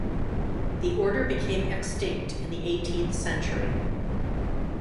The order became extinct in the eighteenth century.